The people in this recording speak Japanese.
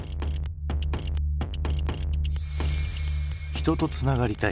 「人とつながりたい」。